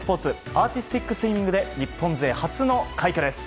アーティスティックスイミングで日本勢初の快挙です。